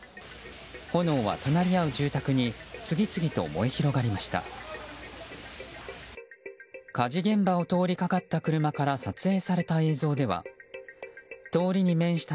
炎は隣り合う住宅に次々と燃え広がりました。